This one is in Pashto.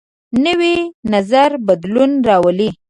نوی نظر بدلون راولي